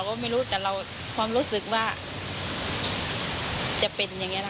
ก็ไม่รู้แต่เราความรู้สึกว่าจะเป็นอย่างนี้นะ